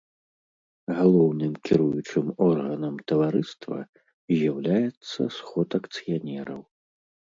Галоўным кіруючым органам таварыства з'яўляецца сход акцыянераў.